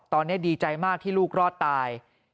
ตอนนี้ดีใจมากที่ลูกรอดตาย